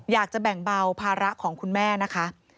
อยากจะแบ่งเบาภาระของคุณแม่นะคะ